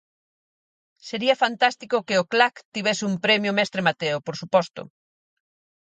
Sería fantástico que o Clac tivese un premio Mestre Mateo, por suposto.